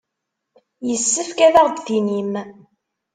Yessefk ad aɣ-d-tinim.